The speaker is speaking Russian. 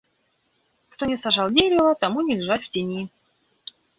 Кто не сажал дерева, тому не лежать в тени.